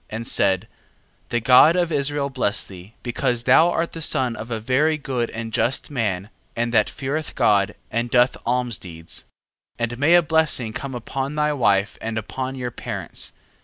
And said: The God of Israel bless thee, because thou art the son of a very good and just man, and that feareth God, and doth almsdeeds: 9:10. And may a blessing come upon thy wife and upon your parents.